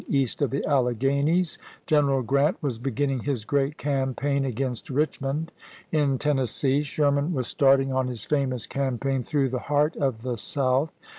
East of the Alleghanies General Grant was beginning his great campaign against Richmond. In Tennessee Sherman was 'M^moj^I'" starting on his famous campaign through the pp. 5 7.' heart of the South.